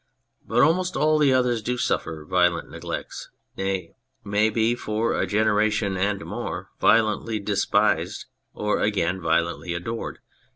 But almost all the others do suffer violent neglects, nay, may be for a generation and more violently despised ; or again, violently adored.